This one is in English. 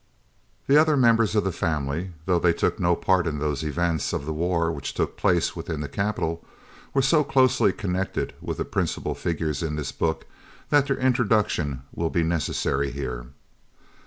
The other members of the family, though they took no part in those events of the war which took place within the capital, were so closely connected with the principal figures in this book that their introduction will be necessary here.